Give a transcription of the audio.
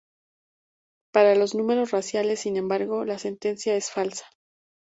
Para los números racionales, sin embargo, la sentencia es falsa.